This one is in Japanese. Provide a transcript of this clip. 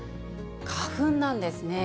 花粉なんですね。